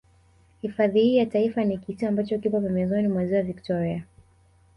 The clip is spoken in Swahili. Hifadhi hii ya Taifa ni kisiwa ambacho kipo pembezoni mwa Ziwa Victoria